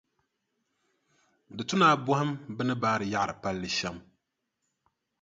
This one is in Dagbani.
Di tu ni a bɔhim bɛ ni baari yaɣiri palli shɛm.